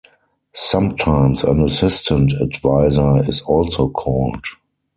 Sometimes an assistant adviser is also called.